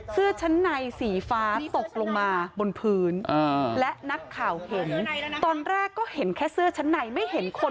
เสื้อชั้นในสีฟ้าตกลงมาบนพื้นและนักข่าวเห็นตอนแรกก็เห็นแค่เสื้อชั้นในไม่เห็นคน